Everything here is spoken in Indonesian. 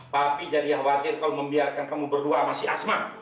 papi jadi yang khawatir kalau membiarkan kamu berdua sama si asma